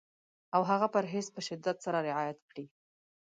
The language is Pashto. او هغه پرهېز په شدت سره رعایت کړي.